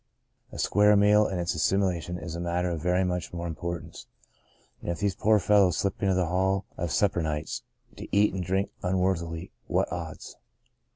A square meal, and its as similation, is a matter of very much more importance. And if these poor fellows slip into the Hall on Supper Nights, to eat and drink unworthily, what odds?